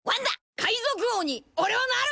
海賊王におれはなる！